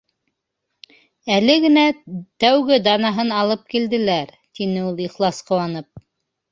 Әле генә тәүге данаһын алып килделәр, — тине ул, ихлас ҡыуанып.